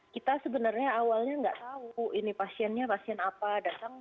kita sebenarnya awalnya nggak tahu ini pasiennya pasien apa datang